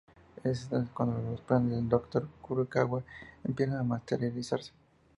Es entonces cuando los planes del Dr. Furukawa empiezan a materializarse.